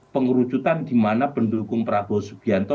pengurucutan dimana pendukung prabowo subianto